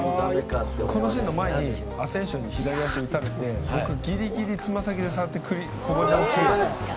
このシーンの前にアセンシオに左足で打たれて僕、ギリギリつま先で触ってこぼれ球をクリアしたんですよ。